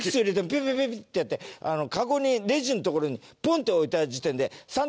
ピピピピッ！ってやってカゴにレジの所にポンって置いた時点で。